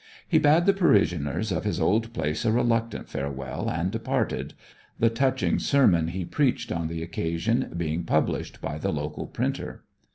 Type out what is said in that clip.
He bade the parishioners of his old place a reluctant farewell and departed, the touching sermon he preached on the occasion being published by the local printer.